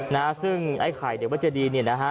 นะฮะซึ่งไอ้ไข่เด็กวัดเจดีเนี่ยนะฮะ